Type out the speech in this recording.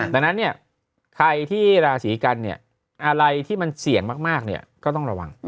ดังนั้นเนี่ยใครที่ราศีกันเนี่ยอะไรที่มันเสี่ยงมากเนี่ยก็ต้องระวัง